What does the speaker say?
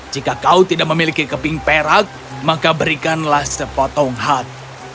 jika kau tidak memiliki keping perak maka berikanlah sepotong hat